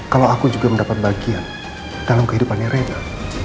kalau aku juga mendapat bagian dalam kehidupan reyna